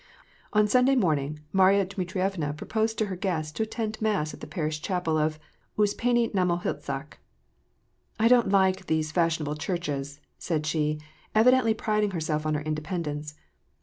On Sunday morning Maiya Dmitrievna proposed to her guests to attend mass at the parish chapel of Uspenie na Mo hiltsakh. " I don't like these fashionable churches," said she, evidently priding herself on her independence.